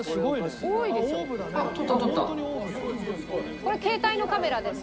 「これ携帯のカメラですかね？」